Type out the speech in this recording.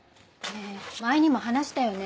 前にも話したよね